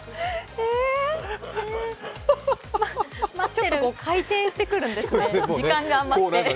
ちょっと回転してくるんですね、時間が余って。